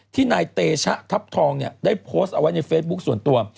นายเตชะทัพทองเนี่ยได้โพสต์เอาไว้ในเฟซบุ๊คส่วนตัว